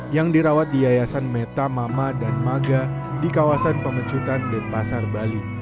yang dirawat di yayasan meta mama dan maga di kawasan pemecutan denpasar bali